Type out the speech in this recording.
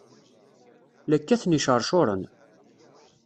La kkaten iceṛcuṛen!